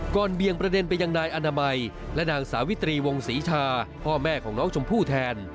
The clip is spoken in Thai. เบี่ยงประเด็นไปยังนายอนามัยและนางสาวิตรีวงศรีชาพ่อแม่ของน้องชมพู่แทน